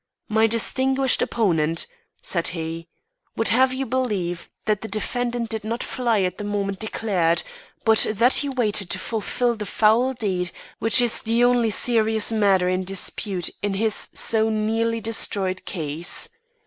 "My distinguished opponent," said he, "would have you believe that the defendant did not fly at the moment declared, but that he waited to fulfil the foul deed which is the only serious matter in dispute in his so nearly destroyed case.